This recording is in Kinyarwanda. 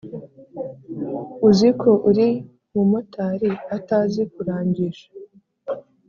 uziko uri mu motari atazi kurangisha